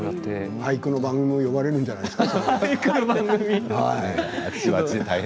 俳句の番組にも呼ばれるんじゃないですか？